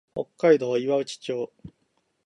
北海道岩内町